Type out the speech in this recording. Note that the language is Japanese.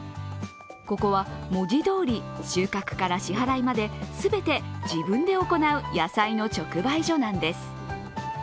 ここは文字どおり、収穫から支払いまで、全て自分で行う野菜の直売所なんです。